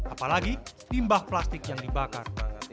apalagi limbah plastik yang dibakar